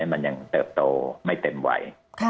มันยังเติบโตไม่เต็มวัย